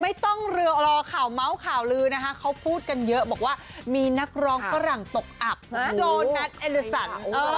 ไม่ต้องรอข่าวเมาส์ข่าวลือนะคะเขาพูดกันเยอะบอกว่ามีนักร้องฝรั่งตกอับโจนัสเอลิสัน